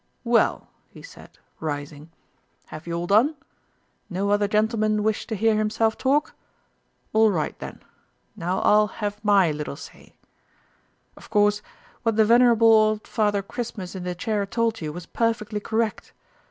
"Well," he said, rising, "have you all done? No other gentleman wish to hear himself talk?... All right then. Now I'll have my little say. Of course, what the venerable old Father Christmas in the chair told you was perfectly correct.